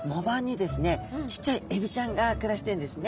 ちっちゃいエビちゃんが暮らしてんですね。